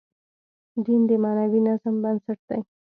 دین د معنوي نظم بنسټ دی.